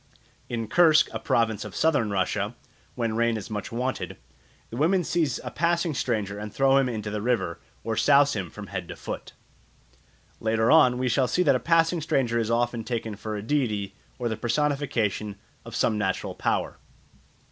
In Kursk, a province of Southern Russia, when rain is much wanted, the women seize a passing stranger and throw him into the river, or souse him from head to foot. Later on we shall see that a passing stranger is often taken for a deity or the personification of some natural power.